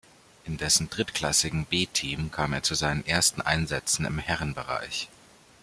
In dessen drittklassigen B-Team kam er zu seinen ersten Einsätzen im Herrenbereich.